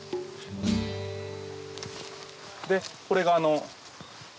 これがあの。